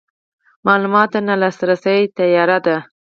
معلوماتو ته نه لاسرسی تیاره ده.